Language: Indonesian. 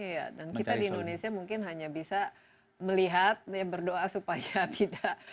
ya dan kita di indonesia mungkin hanya bisa melihat berdoa supaya tidak terjadi